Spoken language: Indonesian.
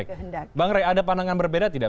oke bang rey ada pandangan berbeda tidak